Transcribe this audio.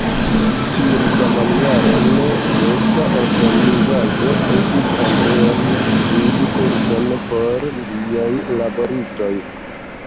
Tiun saman jaron, loka organizaĵo petis Andreon gvidi kurson por ĝiaj laboristoj.